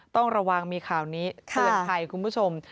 ต้องระวังมีข่าวนี้เตือนภัยคุณผู้ชม